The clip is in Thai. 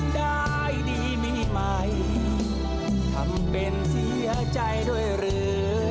ได้ดีมีไหมทำเป็นเสียใจด้วยหรือ